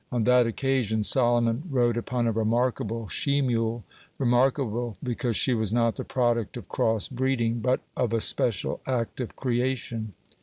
On that occasion Solomon rode upon a remarkable she mule, remarkable because she was not the product of cross breeding, but of a special act of creation.